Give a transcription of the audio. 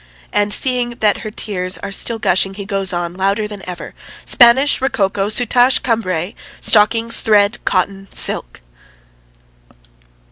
And seeing that her tears are still gushing he goes on louder than ever: "Spanish, Rococo, soutache, Cambray ... stockings, thread, cotton, silk